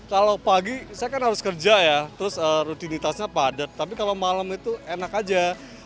kalau pagi saya kan harus kerja ya terus rutinitasnya padat tapi kalau malam itu enak aja